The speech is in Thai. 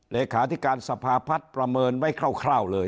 เลขาธิการสภาพัฒน์ประเมินไว้คร่าวเลย